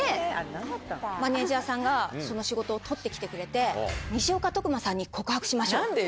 マネージャーさんが、その仕事を取ってきてくれて、西岡徳馬さんに告白しましょうって。